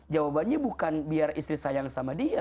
jawabannya bukan biar istri sayang sama dia